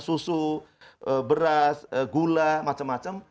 susu beras gula macem macem